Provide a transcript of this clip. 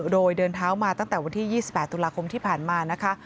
โดยเดินเท้ามาตั้งแต่วันที่๒๘ตุลาคมที่ผ่านมานะคะ